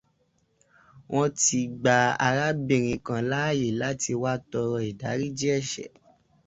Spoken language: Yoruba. Wọ́n ti gba arábìnrinn kan láàyè láti wá tọrọ ìdáríjì ẹ̀ṣẹ̀.